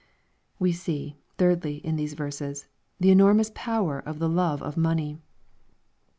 We see, thirdly, in these verses, the enormous power oj ike love of money.